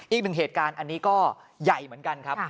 อีกหนึ่งเหตุการณ์อันนี้ก็ใหญ่เหมือนกันครับ